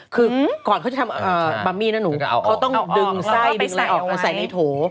คือก่อนเขาจะทำบัมมี่นะหนูเขาต้องดึงไส้ออกมาใส่ในโถ